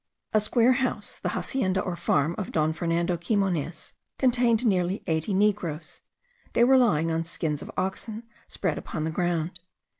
A square house (the hacienda or farm of Don Fernando Key Munoz) contained nearly eighty negroes; they were lying on skins of oxen spread upon the ground.